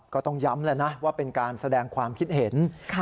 ก็ต้องย้ำแล้วนะว่าเป็นการแสดงความคิดเห็น